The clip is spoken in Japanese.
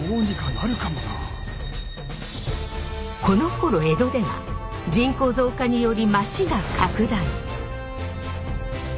このころ江戸では人口増加により街が拡大。